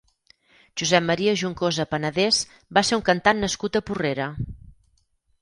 Josep Maria Juncosa Panadés va ser un cantant nascut a Porrera.